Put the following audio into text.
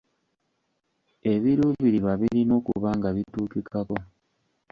Ebiruubirirwa birina okuba nga bituukikako.